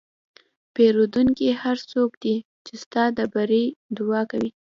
پیرودونکی هغه څوک دی چې ستا د بری دعا کوي.